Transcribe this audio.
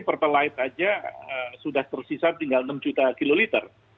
pertalite saja sudah tersisa tinggal enam juta kiloliter